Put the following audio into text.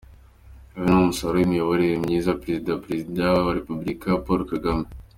Ibi ni umusaruro w’imiyoborere myiza ya Perezida ya Perezida wa Repubulika Paul Kagame.